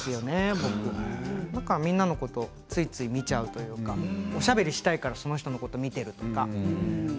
僕はみんなのことをついつい見てしまうというかおしゃべりをしたいからその人のことを見ているとか。